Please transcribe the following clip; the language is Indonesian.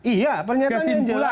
iya pernyataan yang jelas